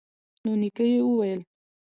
نو نیکه یې وویل